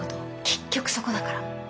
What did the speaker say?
結局そこだから。